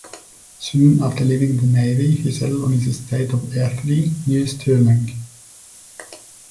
Soon after leaving the Navy, he settled on his estate of Airthrey, near Stirling.